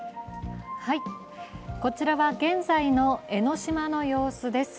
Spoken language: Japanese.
こちらは現在の江の島の様子です。